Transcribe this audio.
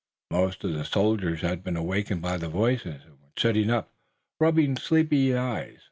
Most of the soldiers had been awakened by the voices, and were sitting up, rubbing sleepy eyes.